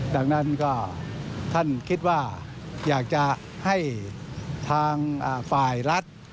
ดังนั้นก็ท่านคิดว่าอยากจะให้ทางฝ่ายรัฐ